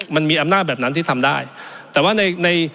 มันมีอำนาจแบบนั้นที่ทำได้แต่ว่าในใน